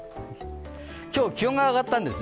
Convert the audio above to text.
今日、気温が上がったんですね。